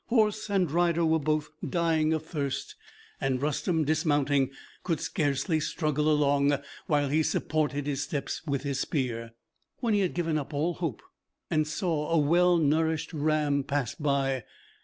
Horse and rider were both dying of thirst, and Rustem, dismounting, could scarcely struggle along while he supported his steps by his spear. When he had almost given up all hope, he saw a well nourished ram pass by.